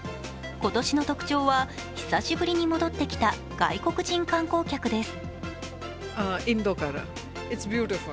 今年の特徴は、久しぶりに戻ってきた外国人観光客です。